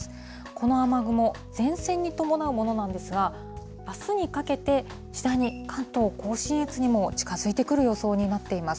この雨雲、前線に伴うものなんですが、あすにかけて、次第に関東甲信越にも近づいてくる予想になっています。